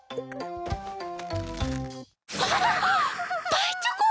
パイチョコ！